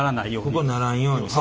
ここならんように。